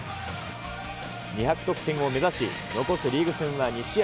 ２００得点を目指し、残すリーグ戦は２試合。